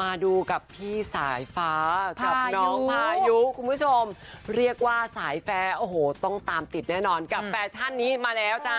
มาดูกับพี่สายฟ้ากับน้องพายุคุณผู้ชมเรียกว่าสายแฟร์โอ้โหต้องตามติดแน่นอนกับแฟชั่นนี้มาแล้วจ้า